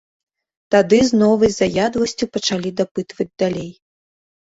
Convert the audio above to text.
Тады з новай заядласцю пачалі дапытваць далей.